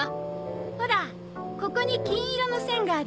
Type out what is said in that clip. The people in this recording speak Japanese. ほらここに金色の線があるでしょ？